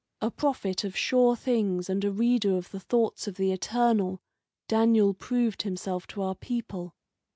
A prophet of sure things and a reader of the thoughts of the Eternal, Daniel proved himself to our people.